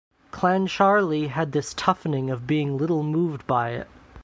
Clancharlie had this toughening of being little moved by it.